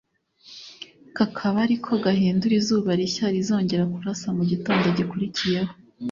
kakaba ariko gahinduka izuba rishya rizongera kurasa mu gitondo gikurikiyeho